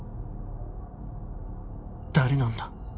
誰なんだ？